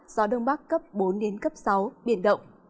gió đông bắc cấp bốn đến cấp sáu biển động